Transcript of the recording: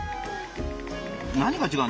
何が違う？